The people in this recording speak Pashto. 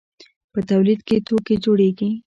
په تولید کې توکي جوړیږي.